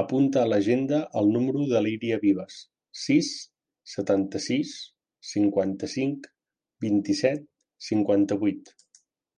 Apunta a l'agenda el número de l'Iria Vives: sis, setanta-sis, cinquanta-cinc, vint-i-set, cinquanta-vuit.